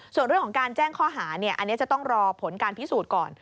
ส่วนเรื่องของการแจ้งข้อหาอันนี้จะต้องรอผลการพิสูจน์ก่อน